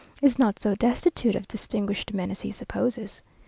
is not so destitute of distinguished men as he supposes.